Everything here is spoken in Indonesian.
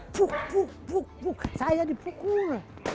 buk buk buk buk saya dipukul